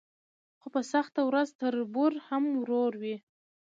خو په سخته ورځ تربور هم ورور وي.